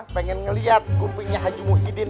pengen ngeliat kumpingnya haji muhyiddin